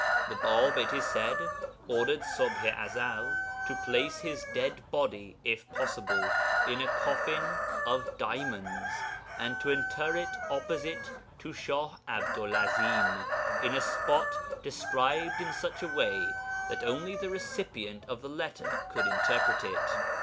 The Bāb, it is said, ordered Ṣubḥ i Ezel to place his dead body, if possible, in a coffin of diamonds, and to inter it opposite to Shah 'Abdu'l 'Azim, in a spot described in such a way that only the recipient of the letter could interpret it.